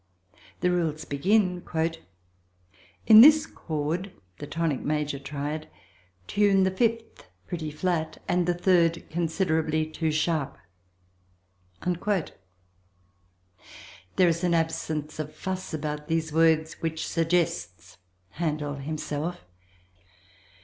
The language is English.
The rules begin "In this chord" (the tonic major triad) "tune the fifth pretty flat, and the third considerably too sharp." There is an absence of fuss about these words which suggests Handel himself.